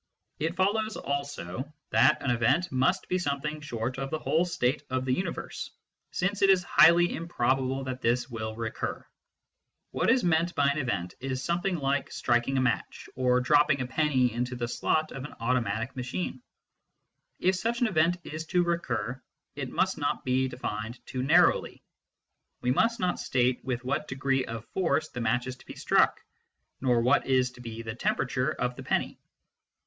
It follows also that an " event " must be something short of the whole state of the universe, since it is highly improbable that this will recur. What is meant by an " event " is something like striking a match, or dropping a penny into the slot of an automatic machine. If such an event is to recur, it must not be denned too narrowly : we must not state with what degree of force the match is to be struck, nor what is to be the temperature of the penny.